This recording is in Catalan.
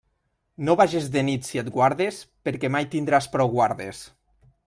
No vages de nit si et guardes, perquè mai tindràs prou guardes.